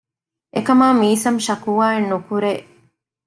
އެކަމާ މީސަމް ޝަކުވާއެއް ނުކުރޭ